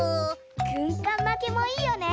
ぐんかんまきもいいよね。